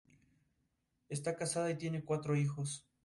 Está casada y tiene cuatro hijos.